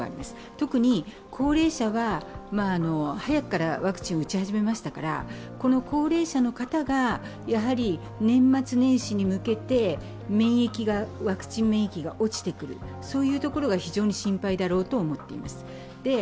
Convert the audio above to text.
特に高齢者は早くからワクチンを打ち始めましたから高齢者の方が年末年始に向けてワクチン免疫が落ちてくる、そういうところが非常に心配だろうと思っています。